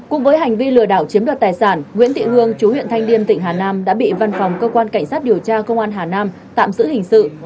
cùng với hành vi lừa đảo chiếm đoạt tài sản nguyễn thị hương chú huyện thanh liêm tỉnh hà nam đã bị văn phòng cơ quan cảnh sát điều tra công an hà nam tạm giữ hình sự